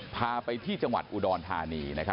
พาไปที่จังหวัดอุดอนธานีนะครับ